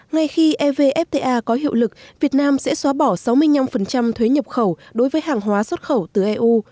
ngay khi evfta có hiệu lực việt nam sẽ xóa bỏ sáu mươi năm thuế nhập khẩu đối với hàng hóa xuất khẩu từ eu